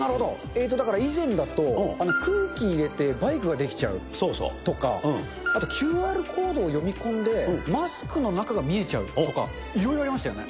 ええと、だから、以前だと、空気入れてバイクが出来ちゃうとか、あとＱＲコードを読み込んで、マスクの中が見えちゃうとか、いろいろありましたよね。